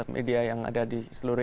media yang ada di seluruh